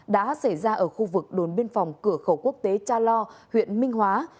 đã xảy ra ở khu vực đồn biên phòng cửa khẩu quốc tế cha lo huyện minh hóa